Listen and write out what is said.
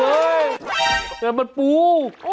โอ้ยไม่เป็นปู